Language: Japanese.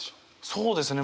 そうですね